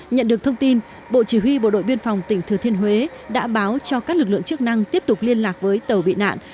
nhận được thông tin bộ chỉ huy bộ đội biên phòng tỉnh thừa thiên huế đã báo cho các lực lượng chức năng tiếp tục liên lạc với tàu bị nạn